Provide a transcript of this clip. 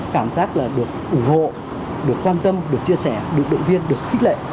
cảm giác là được ủng hộ được quan tâm được chia sẻ được động viên được khích lệ